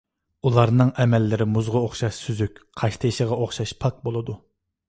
ئۇلارنىڭ ئەمەللىرى مۇزغا ئوخشاش سۈزۈك، قاشتېشىغا ئوخشاش پاك بولىدۇ.